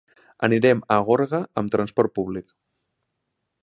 Anirem a Gorga amb transport públic.